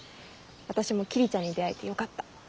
私も桐ちゃんに出会えてよかった。